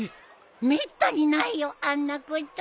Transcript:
めったにないよあんなこと。